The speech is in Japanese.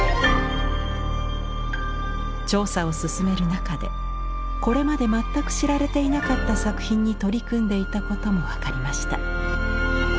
調査を進める中でこれまで全く知られていなかった作品に取り組んでいたことも分かりました。